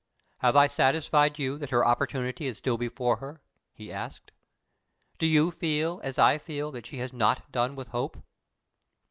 "Have I satisfied you that her opportunity is still before her?" he asked. "Do you feel, as I feel, that she has not done with hope?"